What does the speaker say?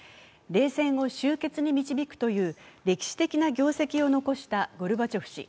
冷戦を終結に導くという歴史的な業績を残したゴルバチョフ氏。